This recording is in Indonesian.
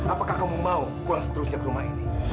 apakah kamu mau pulang seterusnya ke rumah ini